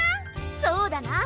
そうだな。